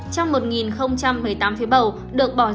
trong một một mươi tám phía bầu được bỏ ra